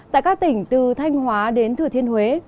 tại các tỉnh từ thanh hóa đến thừa thiên huế